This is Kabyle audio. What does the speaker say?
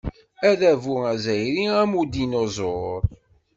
Adabu azzayri am udinuẓur.